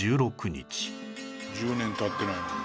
１０年経ってないのに。